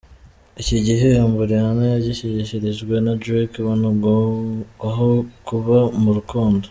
Iki gihembo Rihanna yagishyikirijwe na Drake banugwanugwaho kuba mu rukundo.